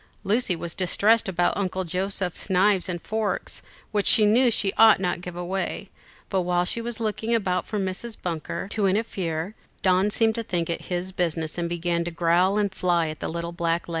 Lucy was distressed about Uncle Joseph's knives and forks, which she knew she ought not to give away; but while she was looking about for Mrs. Bunker to interfere, Don seemed to think it his business, and began to growl and fly at the little black legs.